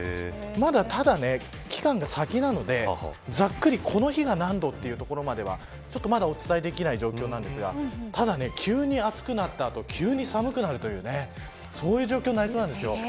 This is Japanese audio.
ただ、まだ期間が先なのでざっくりこの日が何度というところまではちょっとまだお伝えできない状況なんですがただ、急に暑くなった後寒くなるというそういう状況になりそうなんです。